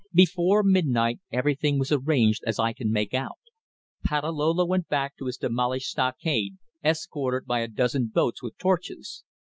Before midnight everything was arranged as I can make out. Patalolo went back to his demolished stockade, escorted by a dozen boats with torches.